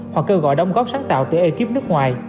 hoặc cơ gọi đóng góp sáng tạo từ ekip nước